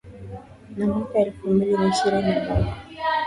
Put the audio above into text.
na mwaka elfu mbili na ishirini na moja